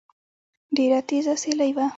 ډېره تېزه سيلۍ وه